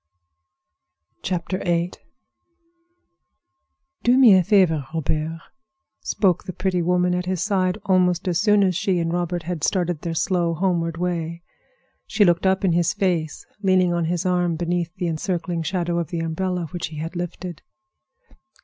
VIII "Do me a favor, Robert," spoke the pretty woman at his side, almost as soon as she and Robert had started their slow, homeward way. She looked up in his face, leaning on his arm beneath the encircling shadow of the umbrella which he had lifted.